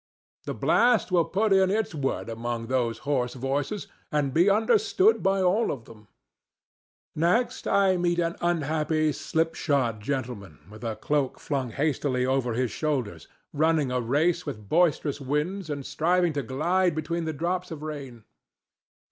The blast will put in its word among their hoarse voices, and be understood by all of them. Next I meet an unhappy slipshod gentleman with a cloak flung hastily over his shoulders, running a race with boisterous winds and striving to glide between the drops of rain.